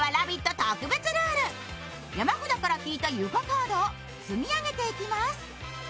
特別ルール、山札から引いた床カードを積み上げていきます。